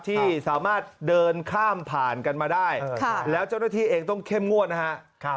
ที่สามารถเดินข้ามผ่านกันมาได้แล้วเจ้าหน้าที่เองต้องเข้มงวดนะครับ